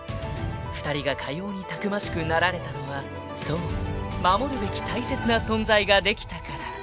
［２人がかようにたくましくなられたのはそう守るべき大切な存在ができたから］